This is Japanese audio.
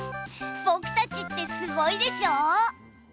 僕たちって、すごいでしょ？